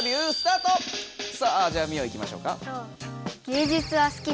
さあじゃあミオいきましょうか。